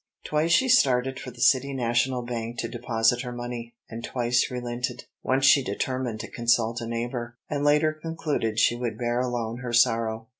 Twice she started for the City National Bank to deposit her money, and twice relented. Once she determined to consult a neighbor, and later concluded she would bear alone her sorrow.